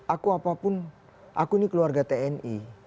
aku apapun aku ini keluarga tni